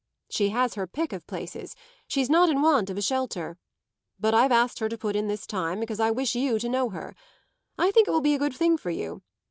"She has her pick of places; she's not in want of a shelter. But I've asked her to put in this time because I wish you to know her. I think it will be a good thing for you.